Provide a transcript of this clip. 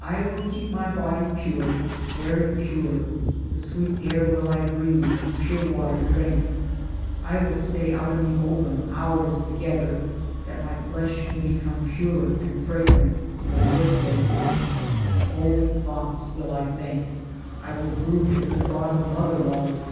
I will keep my body pure, very pure ; the sweet air will 1 breathe and pure water drink ; I will stay out in the open, hours together, that my flesh may become pure and fragrant for your sake ; Holy thoughts will I think ; I will brood in the thought of mother love.